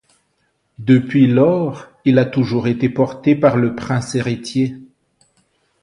Depuis lors, il a toujours été porté par le prince héritier.